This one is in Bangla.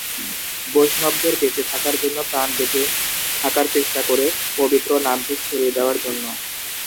বৈষ্ণবদের বেঁচে থাকার জন্য প্রাণ বেঁচে থাকার চেষ্টা করে পবিত্র নামটি ছড়িয়ে দেওয়ার জন্য!